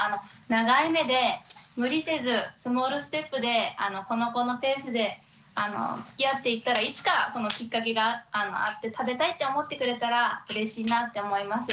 長い目で無理せずスモールステップでこの子のペースでつきあっていったらいつかそのきっかけがあって食べたいって思ってくれたらうれしいなって思います。